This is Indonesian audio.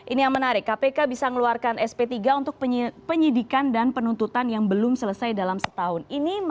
ini yang menarik kpk bisa mengeluarkan sp tiga untuk penyidikan dan penuntutan yang belum selesai dalam setahun